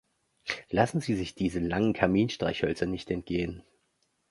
Lassen Sie sich diese langen Kaminstreichhölzer nicht entgehen!